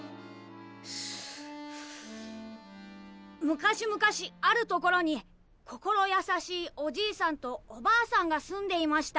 「昔々あるところに心優しいおじいさんとおばあさんが住んでいました」。